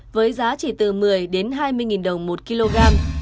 với giá chỉ từ một mươi đến hai mươi đồng một kg